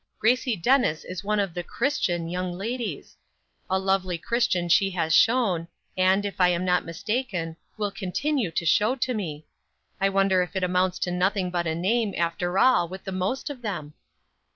Gracie Dennis is one of the Christian (?) young ladies. A lovely Christian she has shown, and, if I am not mistaken, will continue to show to me! I wonder if it amounts to nothing but a name, after all, with the most of them?"